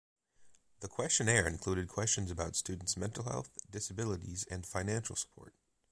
The questionnaire included questions about students' mental health, disabilities, and financial support.